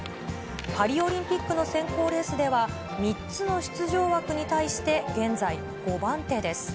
パリオリンピックの選考レースでは、３つの出場枠に対して、現在５番手です。